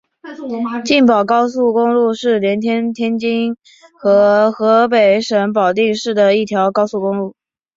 津保高速公路是连接天津市和河北省保定市的一条高速公路。